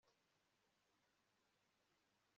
mirimo kigenwa n inyandiko imushyiraho